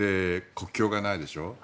国境がないでしょ。